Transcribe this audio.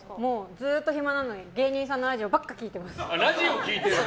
ずっと暇なので芸人さんのラジオばっか聴いてます。